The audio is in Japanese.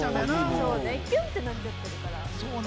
そうねヒュン！ってなっちゃってるから。